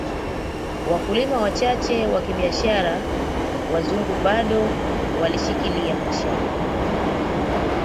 Wakulima wachache wa kibiashara wazungu bado walishikilia mashamba